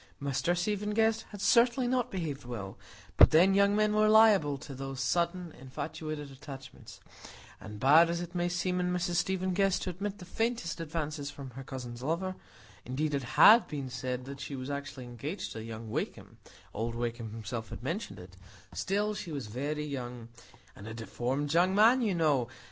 Mr Stephen Guest had certainly not behaved well; but then, young men were liable to those sudden infatuated attachments; and bad as it might seem in Mrs Stephen Guest to admit the faintest advances from her cousin's lover (indeed it had been said that she was actually engaged to young Wakem,—old Wakem himself had mentioned it), still, she was very young,—"and a deformed young man, you know!